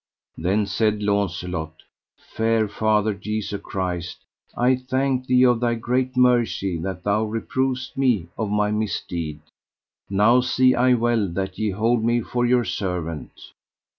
Then said Launcelot: Fair Father Jesu Christ, I thank thee of Thy great mercy that Thou reprovest me of my misdeed; now see I well that ye hold me for your servant.